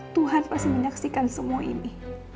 tuhan pasti menyaksikan semua ini